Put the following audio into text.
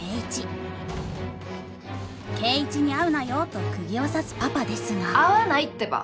圭一に会うなよとくぎを刺すパパですが会わないってば。